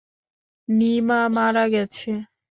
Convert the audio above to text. নিমা মারা গেছে।